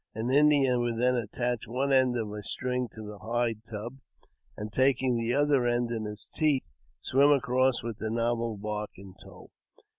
An Indian would then attach one end of a string to the hide tub, and, taking the other end in his teeth, swim across with the novel bark in tow.